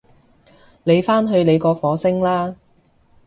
你返去你個火星啦